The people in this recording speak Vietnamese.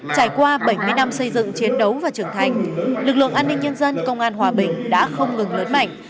trải qua bảy mươi năm xây dựng chiến đấu và trưởng thành lực lượng an ninh nhân dân công an hòa bình đã không ngừng lớn mạnh